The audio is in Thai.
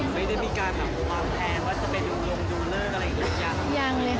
ทำไมไม่ได้มีการงงว่างแผนว่าจะเป็นยงลงโดวเเรลิ้งอะไรอย่างนี้หรือคะ